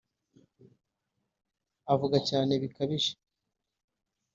Avuga cyane bikabije